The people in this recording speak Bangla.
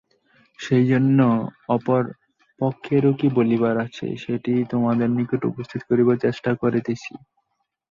সেইজন্য অপর পক্ষেরও কি বলিবার আছে, সেইটিই তোমাদের নিকট উপস্থিত করিবার চেষ্টা করিতেছি।